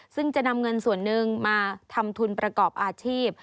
ซึ่งจะนำเงินส่วนหนึ่งมาทำทุนประกอบอาชีพ